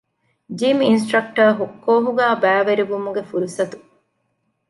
ޖިމް އިންސްޓްރަކްޓަރ ކޯހުގައި ބައިވެރިވުމުގެ ފުރުސަތު